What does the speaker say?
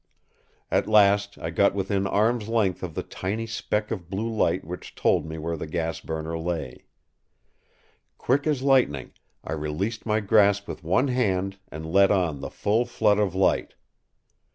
At last I got within arm’s length of the tiny speck of blue light which told me where the gas burner lay. Quick as lightning I released my grasp with one hand and let on the full flood of light.